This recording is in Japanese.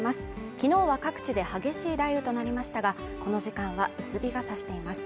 昨日は各地で激しい雷雨となりましたが、この時間は薄日が差しています。